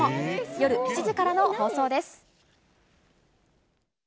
夜７時からの放送です。